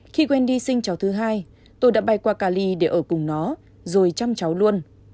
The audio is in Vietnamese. khi wendy sinh cháu thứ hai tôi đã bay qua cali để ở cùng nó rồi chăm cháu luôn